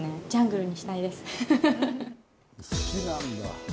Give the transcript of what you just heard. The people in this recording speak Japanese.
好きなんだ。